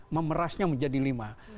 memerasnya menjadi lima